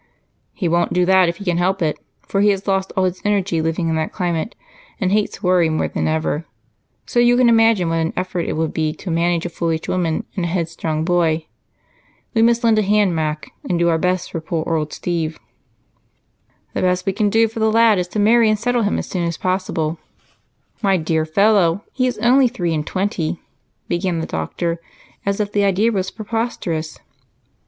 "He won't do that if he can help it. He has lost all his energy living in that climate and hates worry more than ever, so you can imagine what an effort it would be to manage a foolish woman and a headstrong boy. We must lend a hand, Mac, and do our best for poor old Steve." "The best we can do for the lad is to marry and settle him as soon as possible." "My dear fellow, he is only three and twenty," began the doctor, as if the idea was preposterous.